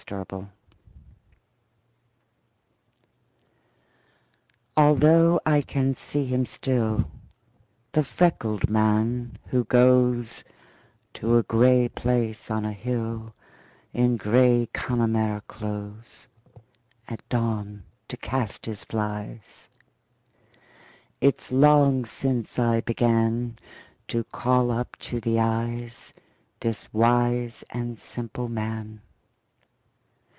The Fisherman ALTHOUGH I can see him still, The freckled man who goesTo a grey place on a hillIn grey Connemara clothesAt dawn to cast his flies, It's long since I beganTo call up to the eyesThis wise and simple man.